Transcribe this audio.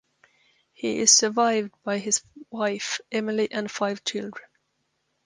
He is survived by his wife Emily and five children.